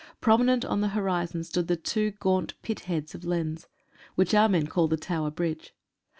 Prominent on the horizon stood the two gaunt pit heads of Lens, which our men call the ''Tower Bridge."